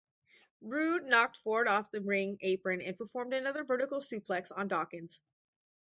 Roode knocked Ford off the ring apron and performed another vertical suplex on Dawkins.